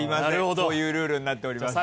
こういうルールになっております。